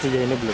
sejak ini belum